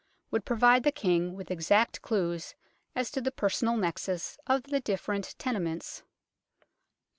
Would provide the King with exact clues as to the personal nexus of the different tene ments ; 4.